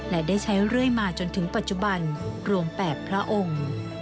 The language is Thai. และได้ใช้เรื่อยมาจนถึงปัจจุบันรวม๘พระองค์